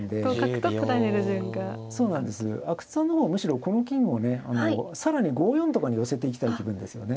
阿久津さんの方はむしろこの金をね更に５四とかに寄せていきたい気分ですよね。